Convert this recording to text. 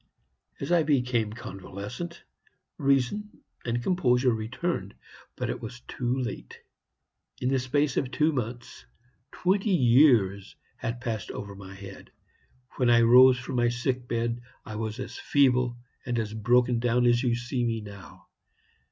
"As I became convalescent, reason and composure returned. But it was too late. In the space of two months, twenty years had passed over my head. When I rose from my sick bed I was as feeble and as broken down as you see me now.